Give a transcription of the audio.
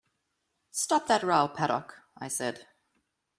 “Stop that row, Paddock,” I said.